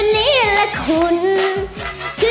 โมโฮโมโฮโมโฮ